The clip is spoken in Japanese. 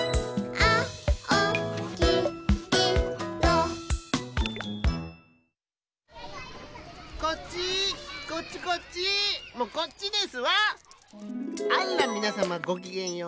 あっらみなさまごきげんよう。